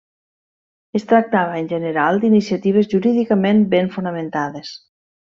Es tractava, en general, d'iniciatives jurídicament ben fonamentades.